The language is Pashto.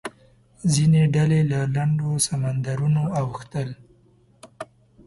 ځینې ډلې له لنډو سمندرونو اوښتل.